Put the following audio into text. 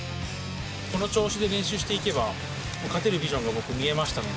この調子で練習していけば、勝てるビジョンが、僕、見えましたので。